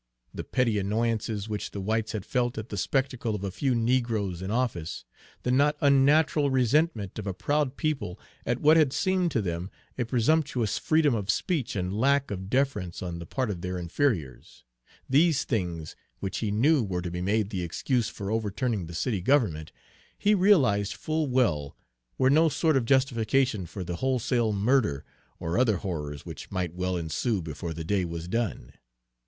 The petty annoyances which the whites had felt at the spectacle of a few negroes in office; the not unnatural resentment of a proud people at what had seemed to them a presumptuous freedom of speech and lack of deference on the part of their inferiors, these things, which he knew were to be made the excuse for overturning the city government, he realized full well were no sort of justification for the wholesale murder or other horrors which might well ensue before the day was done.